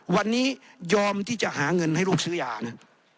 วันนี้ยอมที่จะหาเงินให้ลูกซื้อยานะ